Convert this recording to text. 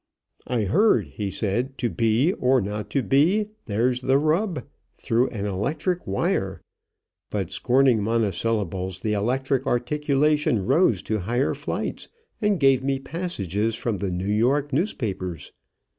"I heard," he said, "'To be or not to be ... there's the rub,' through an electric wire; but, scorning monosyllables, the electric articulation rose to higher flights, and gave me passages from the New York newspapers.